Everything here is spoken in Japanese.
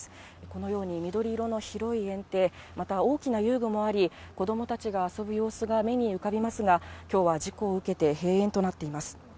このように、緑色の広い園庭、また大きな遊具もあり、子どもたちが遊ぶ様子が目に浮かびますが、きょうは事故を受けて閉園となっています。